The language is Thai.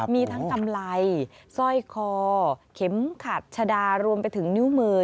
มีทั้งกำไรสร้อยคอเข็มขัดชะดารวมไปถึงนิ้วมือ